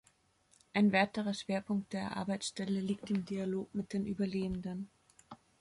Ein weiterer Schwerpunkt der Arbeitsstelle liegt im Dialog mit den Überlebenden.